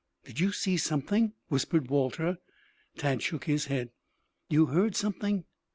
"Did you see something?" whispered Walter. Tad shook his head. "You heard something?"